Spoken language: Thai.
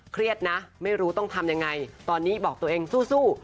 เครียดนะไม่รู้ต้องทำยังไงตอนนี้บอกตัวเองสู้